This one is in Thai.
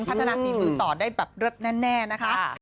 พัฒนาทีมือต่อได้แน่นะคะ